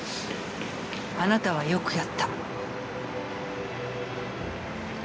あなたはよくやった。